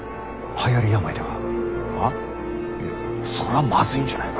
そりゃまずいんじゃないか！